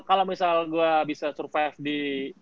kalau misal gue bisa survive di